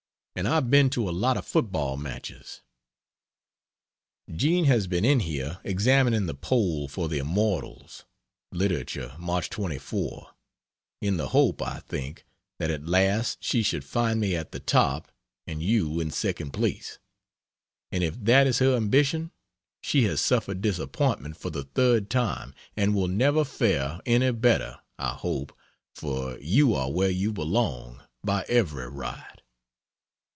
And I've been to a lot of football matches. Jean has been in here examining the poll for the Immortals ("Literature," March 24,) in the hope, I think, that at last she should find me at the top and you in second place; and if that is her ambition she has suffered disappointment for the third time and will never fare any better, I hope, for you are where you belong, by every right.